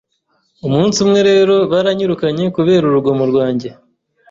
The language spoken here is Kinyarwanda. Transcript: Umunsi umwe rero baranyirukanye kubera urugomo rwanjye